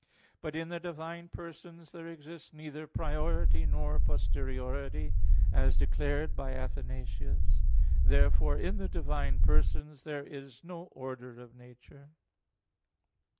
But in the divine persons there exists neither priority nor posteriority, as declared by Athanasius. Therefore, in the divine persons there is no order of nature.